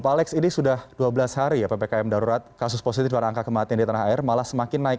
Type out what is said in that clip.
pak alex ini sudah dua belas hari ya ppkm darurat kasus positif dan angka kematian di tanah air malah semakin naik